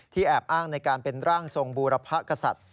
แอบอ้างในการเป็นร่างทรงบูรพกษัตริย์